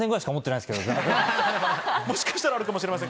もしかしたらあるかもしれません。